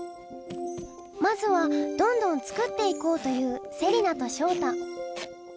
「まずはどんどん作っていこう」と言うセリナとショウタ。